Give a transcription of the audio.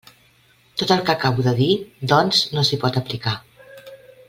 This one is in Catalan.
Tot el que acabo de dir, doncs, no s'hi pot aplicar.